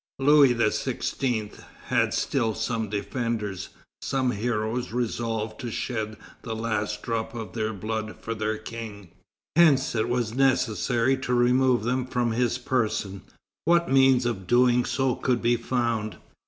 Louis XVI. had still some defenders, some heroes resolved to shed the last drop of their blood for their King. Hence it was necessary to remove them from his person. What means of doing so could be found?